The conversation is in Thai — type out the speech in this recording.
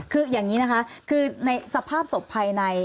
คืออย่างนี้นะคะคือในสภาพศพภายใน